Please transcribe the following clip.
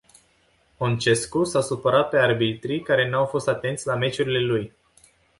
Oncescu s-a supărat pe arbitrii care n-au fost atenți la meciurile lui.